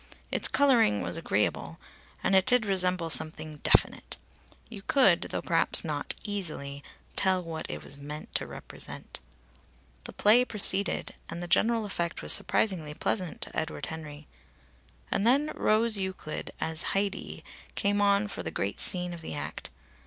Its colouring was agreeable, and it did resemble something definite. You could, though perhaps not easily, tell what it was meant to represent. The play proceeded, and the general effect was surprisingly pleasant to Edward Henry. And then Rose Euclid as Haidee came on for the great scene of the act.